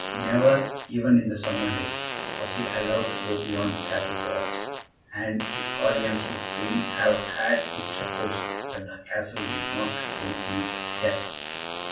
Never, even in the summer days, was he allowed to go beyond the Castle walls; and his guardians would fain have had it supposed that the Castle did not contain any such guest.